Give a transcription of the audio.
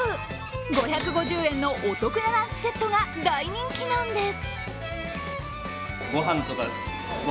５５０円のお得なランチセットが大人気なんです。